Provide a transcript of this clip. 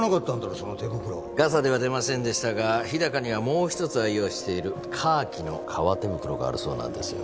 その手袋ガサでは出ませんでしたが日高にはもう一つ愛用しているカーキの革手袋があるそうなんですよ